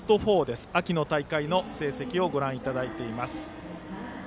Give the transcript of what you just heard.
城東の秋の大会の成績をご覧いただいています。